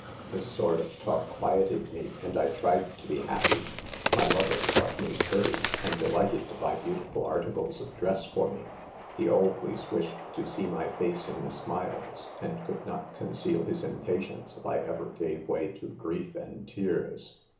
" 6 This sort of talk quieted me, and I tried to be happy. My lover thought me pretty, and delighted to buy beautiful articles of dress for me ; he always wished to see my face in smiles, and could not conceal his impatience if I ever gave way to grief and tears.